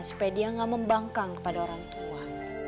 supaya dia gak membangkang kepada orang tua